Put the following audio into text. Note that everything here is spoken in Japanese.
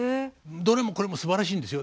どれもこれもすばらしいんですよ。